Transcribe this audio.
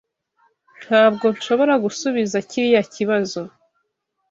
Ntabwo nshobora gusubiza kiriya kibazo.